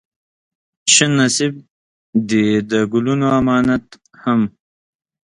شه نصيب دې د ګلونو امامت هم